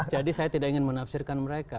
jadi saya tidak ingin menafsirkan mereka